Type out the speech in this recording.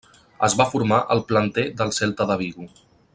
Es va formar al planter del Celta de Vigo.